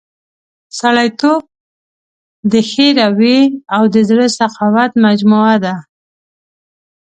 سړیتوب د ښې رويې او د زړه سخاوت مجموعه ده.